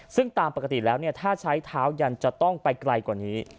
ซึ่งตามปกติแล้วถ้าใช้เท้ายันจะต้องไปไกลกว่านี้